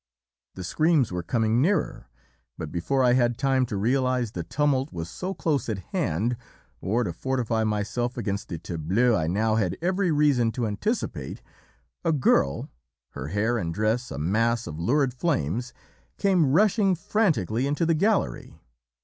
"The screams were coming nearer, but before I had time to realise the tumult was so close at hand, or to fortify myself against the tableau I now had every reason to anticipate, a girl, her hair and dress a mass of lurid flames, came rushing frantically into the gallery.